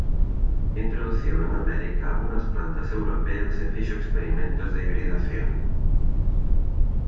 Introduciu en América algunhas plantas europeas e fixo experimentos de hibridación.